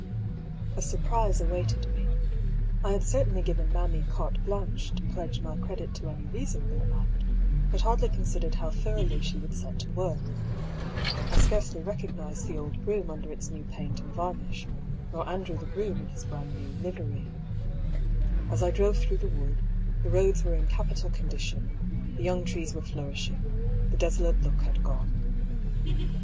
A surprise awaited me. I had certainly given mammy carte llanche to pledge my credit to any rea sonable amount, but hardly considered how thoroughly she would set to work. I scarcely recognised the old 17 252 r>R. PAULL'S THEORY. brougham under its new paint and varnish, nor Andrew the groom in his brand new livery. As I drove through the wood, the roads were in capital condition, the young trees were flourishing, the desolate look had gone.